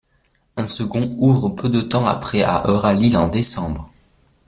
Un second ouvre peu de temps après à Euralille en décembre.